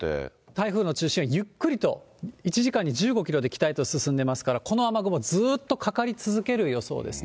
台風の中心はゆっくりと１時間に１５キロで北へと進んでますから、この雨雲、ずっとかかり続ける予想ですね。